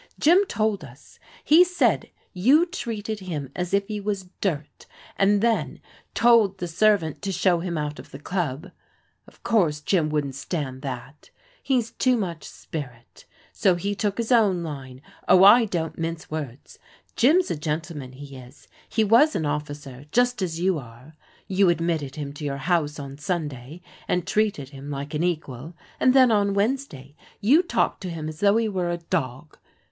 " Jim told us. He said you treated him as if he was dirt, and then told the servant to show him out of the club. Of course Jim wouldn't stand that. He's too much spirit. So he took his own line. Oh, I don't mince words! Jim's a gentleman, he is. He was an oflScer just as you are. You admitted him to your house on Sunday, and treated him like an equal, and then on Wednesday you talked to him as though he were a dog.